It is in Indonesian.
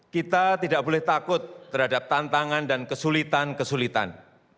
kita tidak boleh takut terhadap tantangan dan kesulitan kesulitan